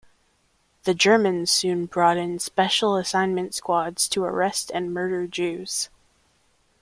The Germans soon brought in special assignment squads to arrest and murder Jews.